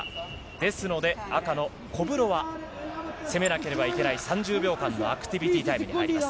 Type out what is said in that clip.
ですので、赤のコブロワ、攻めなければいけない３０秒間のアクティビティタイムに入ります。